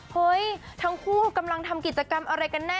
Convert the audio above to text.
เฮ้ยทั้งคู่กำลังทำกิจกรรมอะไรกันแน่